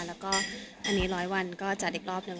แล้วก็อันนี้ร้อยวันก็จัดอีกรอบนึง